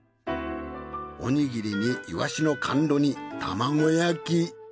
おにぎりにイワシの甘露煮卵焼き。